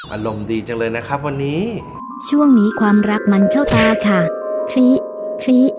อารมณ์ดีจังเลยนะครับวันนี้ช่วงนี้ความรักมันเข้าตาค่ะคลิ